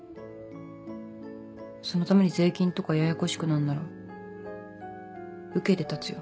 そのために税金とかややこしくなるなら受けて立つよ